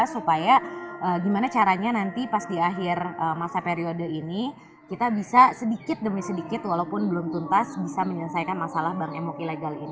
supaya gimana caranya nanti pas di akhir masa periode ini kita bisa sedikit demi sedikit walaupun belum tuntas bisa menyelesaikan masalah bank emok ilegal ini